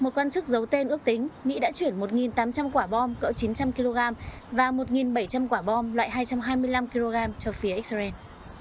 một quan chức giấu tên ước tính mỹ đã chuyển một tám trăm linh quả bom cỡ chín trăm linh kg và một bảy trăm linh quả bom loại hai trăm hai mươi năm kg cho phía israel